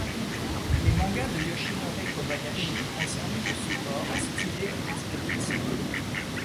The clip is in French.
Les mangas de Yoshinori Kobayashi ont servi de support à ses idées révisionnistes.